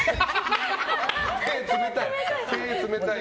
手、冷たい。